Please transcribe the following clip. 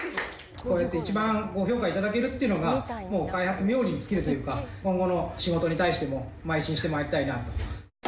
こうやって一番ご評価を頂けるというのが、もう開発みょうりに尽きるというか、今後の仕事に対してもまい進してまいりたいなと。